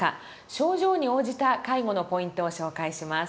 症状に応じた介護のポイントを紹介します。